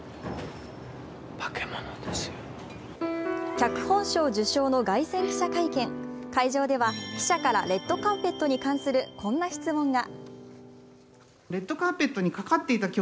脚本賞受賞の凱旋記者会見、会場では記者からレッドカーペットに関するこんな質問が。